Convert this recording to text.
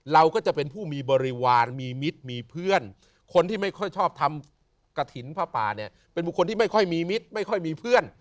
เราก็จะเป็นผู้มีบริวารมีมิตรมีเพื่อนคนที่ไม่ค่อยชอบทำกระถิ่นผ้าป่าเนี่ยเป็นบุคคลที่ไม่ค่อยมีมิตรไม่ค่อยมีเพื่อน